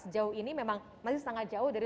sejauh ini memang masih sangat jauh dari